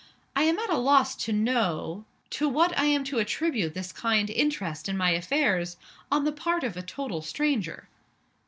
"I am at a loss to know to what I am to attribute this kind interest in my affairs on the part of a total stranger."